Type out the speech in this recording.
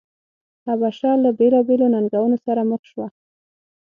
حبشه له بېلابېلو ننګونو سره مخ شوه.